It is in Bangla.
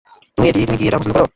তুমি কি এটা পছন্দ কর?